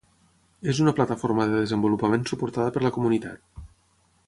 És una plataforma de desenvolupament suportada per la comunitat.